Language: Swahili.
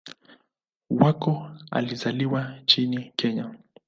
Wako alizaliwa nchini Kenya.